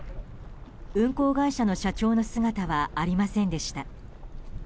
運航会社の社長の姿はありませんでした。